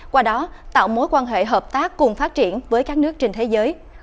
qua đó tạo mối quan hệ hợp tác cùng phát triển với các nước trên thế giới